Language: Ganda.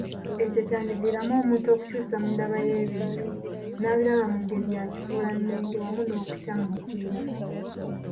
Ekyo kyandiviiramu omuntu okukyusa mu ndaba y'ebintu, n'abiraba mu ngeri ya kifuulannenge, wamu n'okukyamuukirira